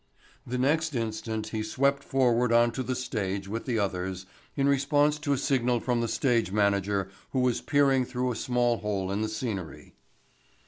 The next instant he swept forward on to the stage with the others in response to a signal from the stage manager who was peering through a small hole in the scenery.